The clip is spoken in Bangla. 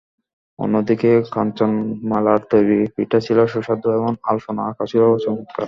অন্যদিকে কাঞ্চনমালার তৈরি পিঠা ছিল সুস্বাদু এবং আলপনা আঁকাও ছিল চমৎকার।